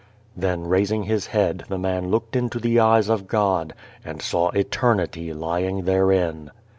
Then raising his head the man looked into the eyes of God, and saw eternity lying therein.